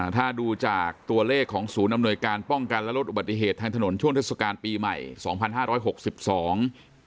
ถ้าดูจากตัวเลขของศูนย์อำนวยการป้องกันและลดอุบัติเหตุทางถนนช่วงเทศกาลปีใหม่สองพันห้าร้อยหกสิบสอง